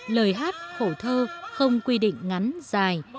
lời hát khổ thơ không quy định ngắn dài